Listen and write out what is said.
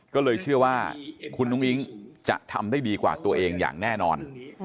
ก็เลยเชื่อว่าคุณอุ้งอิ๊งจะทำได้ดีกว่าตัวเองอย่างแน่นอน